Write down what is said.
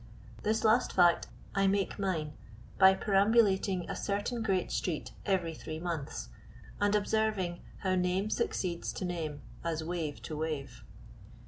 This last fact I make mine by perambulating a certain great street every three months, and observing how name succeeds to name as wave to wave.